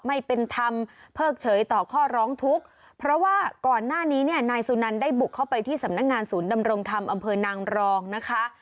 ไม่เป็นธรรมเพิกเฉยต่อข้อร้องทุกข์เพราะว่าก่อนหน้านี้เนี่ยนายสุนันได้บุกเข้าไปที่สำนักงานศูนย์ดำรงธรรมอำเภอนางรองนะคะ